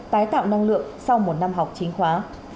tái tạo năng lượng sau một năm học chính khóa